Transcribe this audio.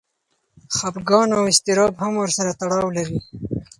خپګان او اضطراب هم ورسره تړاو لري.